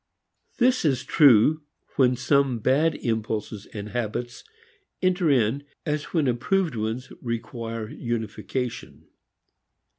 This is as true when some "bad" impulses and habits enter in as when approved ones require unification.